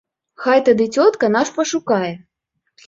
Хай тады цётка нас пашукае.